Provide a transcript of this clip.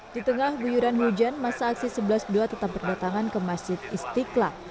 di tengah buyuran hujan masa aksi satu ratus dua belas tetap berdatangan ke masjid istiqlal